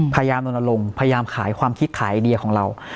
พยายามลงพยายามขายความคิดขายไอเดียของเรา